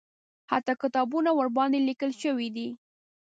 حتی کتابونه ورباندې لیکل شوي دي.